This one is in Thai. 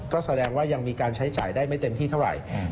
ก็แสดงว่ายังมีการใช้จ่ายได้ไม่เต็มที่เท่าไหร่